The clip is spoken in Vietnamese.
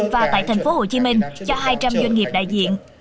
và tại thành phố hồ chí minh cho hai trăm linh doanh nghiệp đại diện